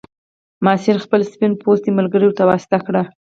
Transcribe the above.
ماسیر خپل سپین پوستی ملګری ورته واسطه کړ.